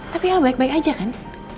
tapi ya baik baik aja kan